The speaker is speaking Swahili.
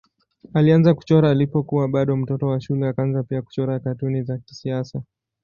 Alianza kuchora alipokuwa bado mtoto wa shule akaanza pia kuchora katuni za kisiasa.